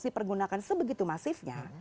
dipergunakan sebegitu masifnya